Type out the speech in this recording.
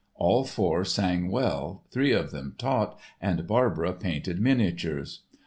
All four sang well, three of them taught and Barbara painted miniatures.